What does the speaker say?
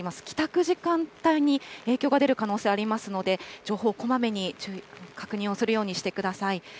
帰宅時間帯に影響が出る可能性ありますので、情報、こまめに確認をするようにしてください。